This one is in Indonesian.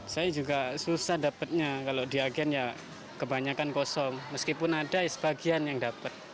saya juga susah dapatnya kalau di agen ya kebanyakan kosong meskipun ada sebagian yang dapat